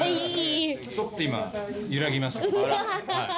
ちょっと今揺らぎました。